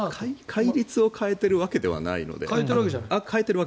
戒律を変えているわけではないのであくまで